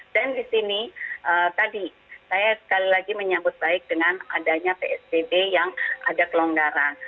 dan di sini tadi saya sekali lagi menyambut baik dengan adanya psbb yang ada kelonggaran